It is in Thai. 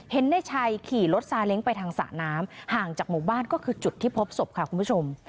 ในชัยขี่รถซาเล้งไปทางสระน้ำห่างจากหมู่บ้านก็คือจุดที่พบศพค่ะคุณผู้ชม